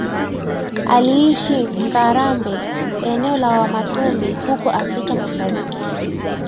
Aliishi Ngarambe eneo la Wamatumbi huko Afrika Mashariki